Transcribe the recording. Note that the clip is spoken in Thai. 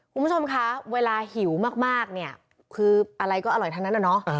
คุณผู้ชมคะเวลาหิวมากคืออะไรก็อร่อยเท่านั้นแล้วเนาะ